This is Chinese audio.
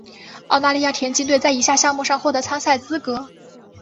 澳大利亚田径队在以下项目上获得参赛资格。